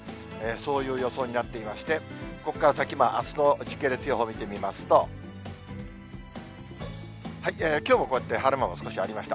そういう予想になっていまして、ここから先も、あすの時系列予報を見てみますと、きょうもこうやって晴れ間も少しありました。